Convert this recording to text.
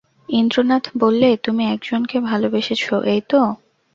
ইন্দ্রনাথ বললে, তুমি একজনকে ভালোবেসেছ, এই তো?